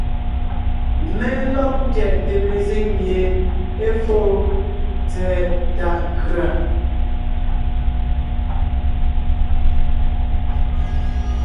Mé lɔg ńtyɛʼte mezíŋ mie é fóo tsɛ̀ɛ tàʼ nkʉ̀a.